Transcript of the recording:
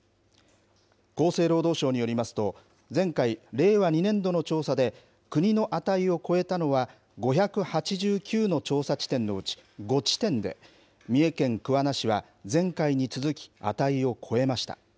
厚生労働省によりますと、前回・令和２年度の調査で、国の値を超えたのは５８９の調査地点のうち５地点で、三重県桑名市は前回に続き値を超えました。